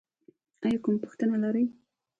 ایا کومه پوښتنه لرئ؟